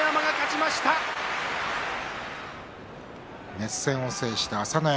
熱戦を制した朝乃山